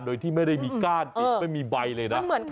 โดยที่ไม่ได้มีก้านติดไม่มีใบเลยนะ